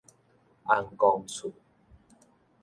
尪公厝